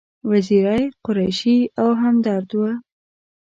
وزیری، قریشي او همدرد و.